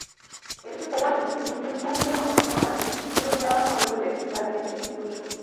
এদিকে কোবানি যুদ্ধে কুর্দিদের অংশ নেওয়ার সুযোগ দেওয়া হবে বলে জানিয়েছে তুরস্ক।